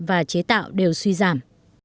và chế tạo đều suy giảm